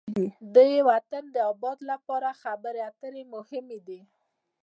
د وطن د آباد لپاره خبرې اترې مهمې دي.